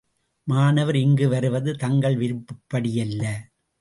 மாணவர் இங்கு வருவது தங்கள் விருப்பப்படியல்ல.